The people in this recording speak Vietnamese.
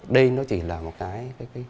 đây nó chỉ là một cái